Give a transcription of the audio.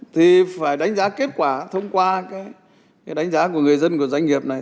thì phải đánh giá kết quả thông qua cái đánh giá của người dân của doanh nghiệp này